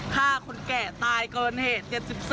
ฆ่าคนแก่ตายเกินเหตุ๗๔